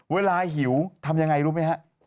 เวลาหิวทำยังไงรู้มั้ยนะครับ